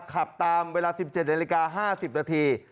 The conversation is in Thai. ขับตามเวลา๑๗นาฬิกา๕๐นาที